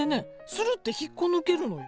スルッて引っこ抜けるのよ。